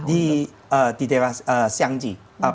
di daerah xiang ji